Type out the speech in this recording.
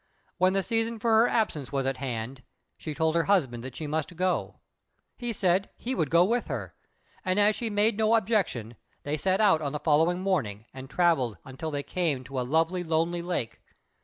When the season for her absence was at hand, she told her husband that she must go. He said he would go with her, and as she made no objection, they set out on the following morning and travelled until they came to a lovely, lonely lake.